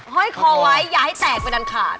ห้อยคอไว้อย่าให้แตกไปดันขาด